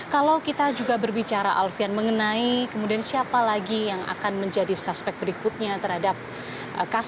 kalau kita juga berbicara alfian mengenai kemudian siapa lagi yang akan menjadi suspek berikutnya terhadap kasus ini